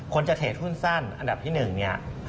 คนจะเททหุ้นสั้นอันดับที่๑